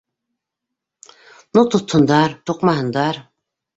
Ну, тотһондар, туҡмаһындар.